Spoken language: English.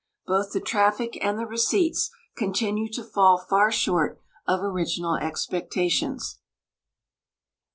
Both the traffic and the receipts continue to fall far short of original e.xpectations.